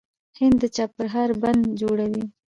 هند د چابهار بندر جوړوي.